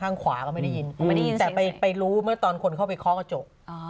ข้างขวาก็ไม่ได้ยินไม่ได้ยินแต่ไปรู้เมื่อตอนคนเข้าไปเคาะกระจก